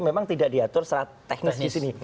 memang tidak diatur secara teknis disini